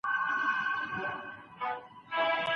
د ده برخه وي ترټولو پکښي خواره